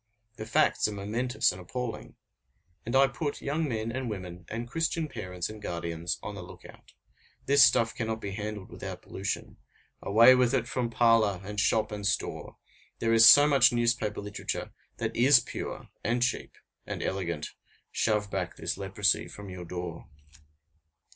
The facts are momentous and appalling. And I put young men and women and Christian parents and guardians on the look out. This stuff cannot be handled without pollution. Away with it from parlor, and shop, and store! There is so much newspaper literature that is pure, and cheap, and elegant; shove back this leprosy from your door.